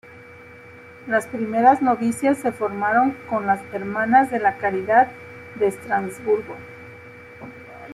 Las primeras novicias se formaron con las Hermanas de la Caridad de Estrasburgo.